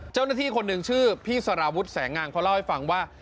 เจ้าหน้าที่คนหนึ่งชื่อพี่สารวุฒิแสงงามเขาเล่าให้ฟังว่า